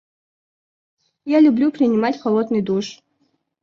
Я люблю принимать холодный душ.